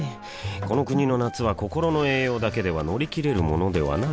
この国の夏は心の栄養だけでは乗り切れるものではない